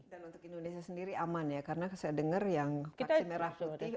dan untuk indonesia sendiri aman ya karena saya dengar yang vaksin merah putih